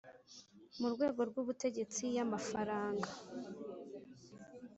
mu rwego rw ubutegetsi y amafaranga